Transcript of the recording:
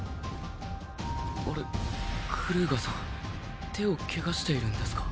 あれクルーガーさん手を怪我しているんですか？